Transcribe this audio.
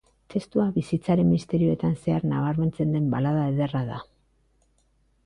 Testua bizitzaren misterioetan zehar barneratzen den balada ederra da.